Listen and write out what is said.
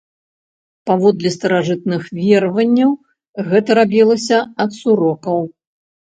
Паводле старажытных вераванняў, гэта рабілася ад сурокаў.